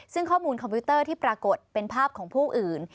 ซึ่งข้อมูลคอมพิวเตอร์ที่ปรากฏเป็นภาพของผู้อื่น